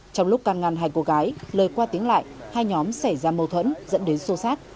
trong lúc can ngăn hai cô gái lời qua tiếng lại hai nhóm xảy ra mâu thuẫn dẫn đến sô sát